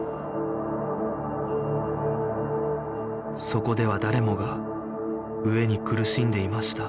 そこでは誰もが飢えに苦しんでいました